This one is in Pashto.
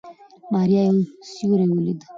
ماريا يو سيوری وليد.